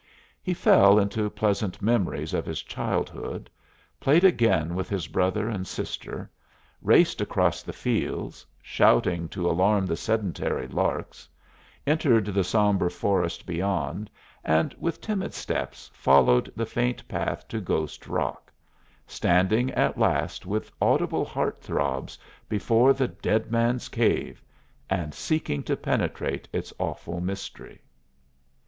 He fell into pleasant memories of his childhood, played again with his brother and sister, raced across the fields, shouting to alarm the sedentary larks, entered the sombre forest beyond and with timid steps followed the faint path to Ghost Rock, standing at last with audible heart throbs before the Dead Man's Cave and seeking to penetrate its awful mystery.